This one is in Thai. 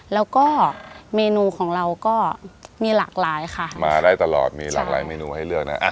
แล้วก็เมนูของเราก็มีหลากหลายค่ะมาได้ตลอดมีหลากหลายเมนูให้เลือกนะ